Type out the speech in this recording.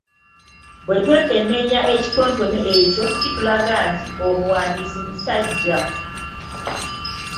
Bwe twekenneenya ekitontome ekyo kitulaga nti omuwandiisi musajja.